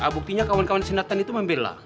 buktinya kawan kawan si natan itu membela